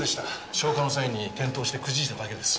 消火の際に転倒してくじいただけです。